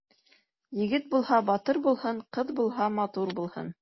Егет булһа, батыр булһын, ҡыҙ булһа, матур булһын.